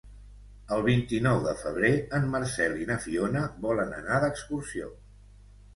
El vint-i-nou de febrer en Marcel i na Fiona volen anar d'excursió.